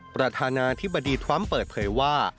ประธานาธิบดีทรัมป์เปิดเผยว่า